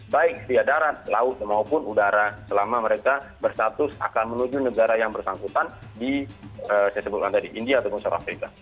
baik dari darat laut maupun udara selama mereka bersatu akan menuju negara yang bersangkutan di india atau afrika